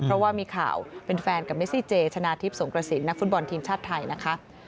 เพราะว่ามีข่าวเป็นแฟนกับเมซี่เจชนะทิพย์สงกระสินนักฟุตบอลทีมชาติไทยนะคะ